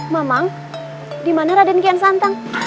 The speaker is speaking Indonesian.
memang di mana raden kian santang